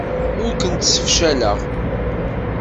Ur kent-ssefcaleɣ.